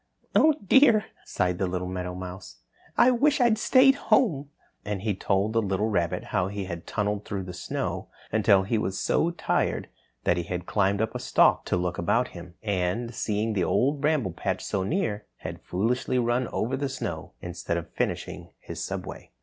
"Oh, dear," sighed the little meadowmouse, "I wish I'd stayed home," and he told the little rabbit how he had tunneled through the snow until he was so tired that he had climbed up a stalk to look about him, and, seeing the Old Bramble Patch so near, had foolishly run over the snow instead of finishing his subway.